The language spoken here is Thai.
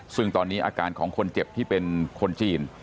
ซึ่งตอนนี้อาการของคนเจ็บที่เป็นคนจีน